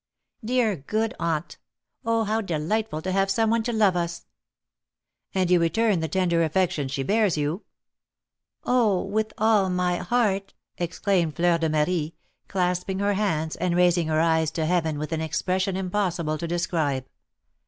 "Dear, good aunt! Oh, how delightful to have some one to love us!" "And you return the tender affection she bears you?" "Oh, with all my heart!" exclaimed Fleur de Marie, clasping her hands, and raising her eyes to heaven with an expression impossible to describe.